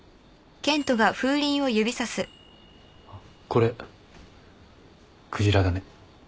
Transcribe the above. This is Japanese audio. これクジラだね。